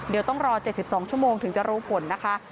เดี๋ยวต้องรอ๗๒ชั่วโมงถึงจะรู้ผลนะคะ